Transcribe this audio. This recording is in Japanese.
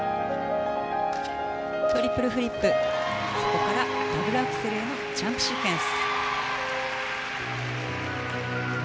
トリプルフリップそこからトリプルアクセルへのジャンプシークエンス。